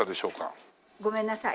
ごめんなさい